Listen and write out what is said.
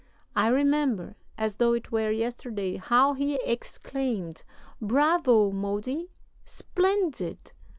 I remember, as though it were yesterday, how he exclaimed: 'Bravo, Modi, splendid!